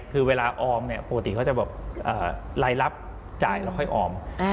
คือเวลาออมเนี่ยปกติเขาจะแบบรายรับจ่ายแล้วค่อยออม